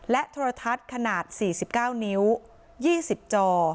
โทรทัศน์ขนาด๔๙นิ้ว๒๐จอ